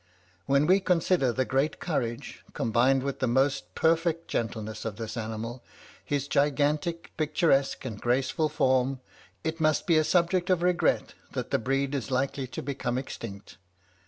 When we consider the great courage, combined with the most perfect gentleness of this animal, his gigantic, picturesque, and graceful form, it must be a subject of regret that the breed is likely to become extinct.